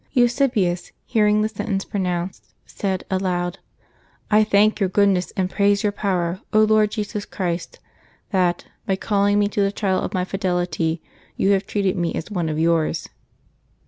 Eusebius, hear ing the sentence pronounced, said aloud, " I thank Your goodness and praise Your power, Lord Jesus Christ, that, by calling me to the trial of my fidelity, You haye treated me as one of Yours.'